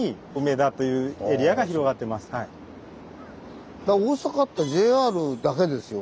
見ただけで「大阪」ってＪＲだけですよね。